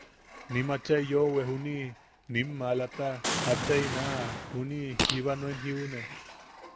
Nim achai yoʼowe, juniʼi nim maalata, achai naaʼa juniʼi jiba nuen jiune.